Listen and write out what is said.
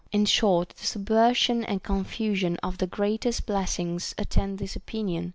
In short, the subversion and confusion of the greatest blessings attend this opinion.